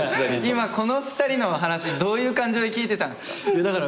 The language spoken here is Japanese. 今この２人の話どういう感情で聞いてたんすか？